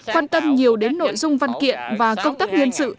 quan tâm nhiều đến nội dung văn kiện và công tác nhân sự